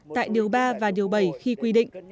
tại điều ba và điều bảy khi quy định